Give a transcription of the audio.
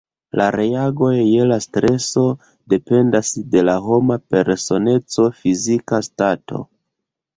La reagoj je la streso dependas de la homa personeco, fizika stato.